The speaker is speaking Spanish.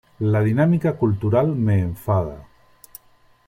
La dinámica cultural me enfada.